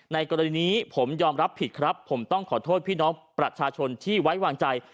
กรณีนี้ผมยอมรับผิดครับผมต้องขอโทษพี่น้องประชาชนที่ไว้วางใจ